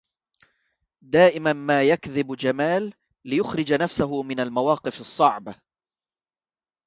دائما ما يكذب جمال ليخرج نفسه من المواقف الصعبة.